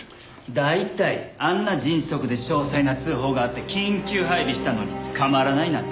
大体あんな迅速で詳細な通報があって緊急配備したのに捕まらないなんて